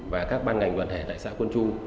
và các ban ngành đoàn hệ tại xã quân chu